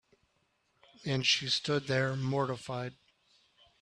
And she stood there mortified.